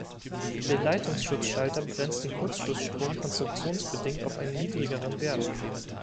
Der Leitungsschutzschalter begrenzt den Kurzschlussstrom konstruktionsbedingt auf einen niedrigeren Wert.